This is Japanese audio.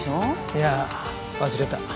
いや忘れた。